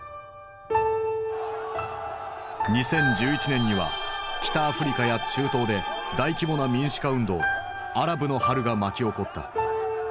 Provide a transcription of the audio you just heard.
２０１１年には北アフリカや中東で大規模な民主化運動「アラブの春」が巻き起こった。